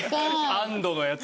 安堵のやつが。